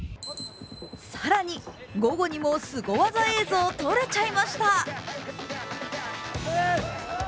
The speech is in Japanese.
更に、午後にもすご技映像撮れちゃいました。